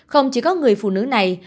không chỉ có người phụ nữ này